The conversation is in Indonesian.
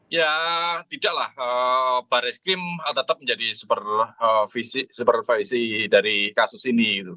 ya tidaklah baris krim tetap menjadi supervisi dari kasus ini